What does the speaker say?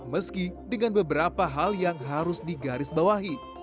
meski dengan beberapa hal yang harus digarisbawahi